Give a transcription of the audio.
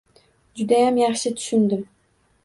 Judayam yaxshi tushundim.